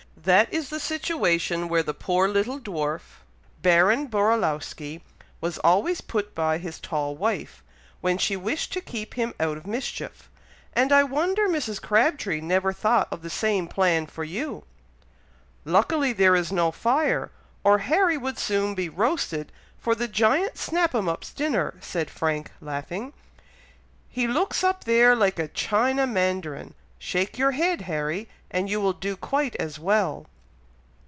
"That is the situation where the poor little dwarf, Baron Borowloski was always put by his tall wife, when she wished to keep him out of mischief, and I wonder Mrs. Crabtree never thought of the same plan for you." "Luckily there is no fire, or Harry would soon be roasted for the Giant Snap 'em up's dinner," said Frank, laughing; "he looks up there like a China Mandarin. Shake your head, Harry, and you will do quite as well!"